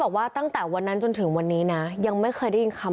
ก็เค้าคงได้ออกมาใช้ชีวิตเหมือนเดิม